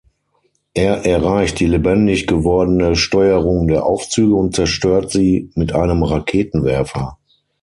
Er erreicht die lebendig gewordene Steuerung der Aufzüge und zerstört sie mit einem Raketenwerfer.